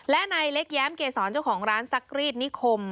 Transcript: และนายเล็กแย้มเกษรเจ้าของร้านซักรีดนิคม